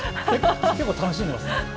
結構、楽しんでいますね。